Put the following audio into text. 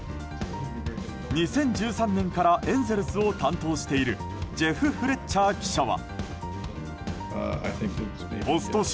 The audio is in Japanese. ２０１３年からエンゼルスを担当しているジェフ・フレッチャー記者は。